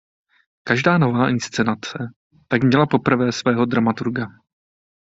Každá nová inscenace tak měla poprvé svého dramaturga.